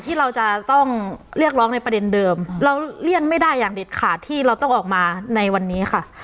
ที่เราจะต้องเรียกร้องในประเด็นเดิมเราเลี่ยงไม่ได้อย่างเด็ดขาดที่เราต้องออกมาในวันนี้ค่ะ